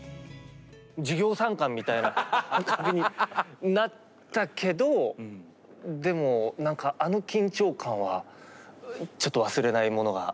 授業参観みたいな感じになったけどでも何かあの緊張感はちょっと忘れないものがありますね。